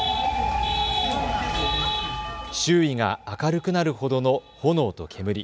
周囲が明るくなるほどの炎と煙。